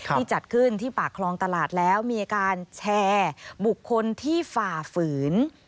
ที่จัดขึ้นที่ปากคลองตลาดแล้วมีการแชร์บุคคลที่ฝ่าฝืน